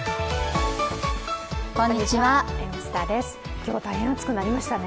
今日、大変暑くなりましたね。